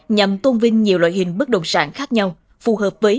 nhằm tôn vinh nhiều loại hình bất đồng sản khác nhau phù hợp với